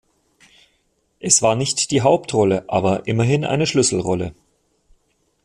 Es war nicht die Hauptrolle, aber immerhin eine Schlüsselrolle.